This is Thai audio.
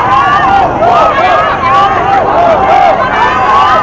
ไม่ต่อเนื่องกันครับทั้งโจมตีใจของคุณภูมิใจประมาณ